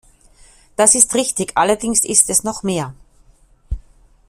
Das ist richtig, allerdings ist es noch mehr.